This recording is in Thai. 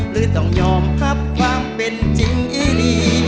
หรือต้องยอมรับความเป็นจริงอีลี